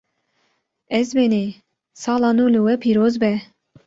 Ezbenî! Sala nû li we pîroz be